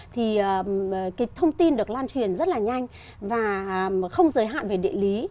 thì cái thông tin được lan truyền rất là nhanh và không giới hạn về địa lý